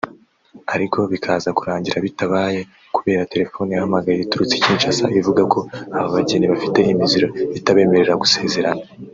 ariko bikaza kurangira bitabaye kubera telefoni yahamagaye iturutse i Kinshasa ivuga ko aba bageni bafite imiziro itabemerera gusezerana